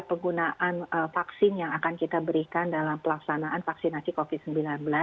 penggunaan vaksin yang akan kita berikan dalam pelaksanaan vaksinasi covid sembilan belas